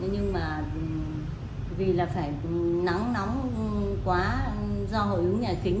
nhưng mà vì là phải nắng nóng quá do hội ứng nhà kính